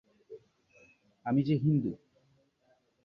আমি যে হিন্দু।